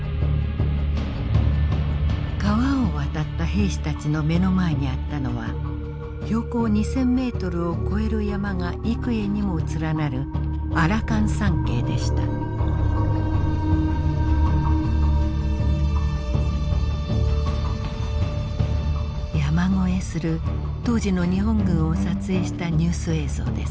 川を渡った兵士たちの目の前にあったのは標高２，０００メートルを超える山が幾重にも連なる山越えする当時の日本軍を撮影したニュース映像です。